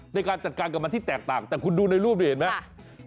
ในการจัดการกับมันที่แตกต่างแต่คุณดูในรูปนี่เห็นไหม